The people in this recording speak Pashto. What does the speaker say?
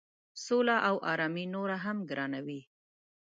سوله او آرامي نوره هم ګرانوي.